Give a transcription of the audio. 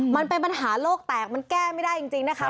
มันเป็นปัญหาโลกแตกมันแก้ไม่ได้จริงนะคะ